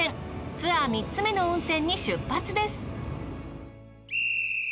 ツアー３つ目の温泉に出発です。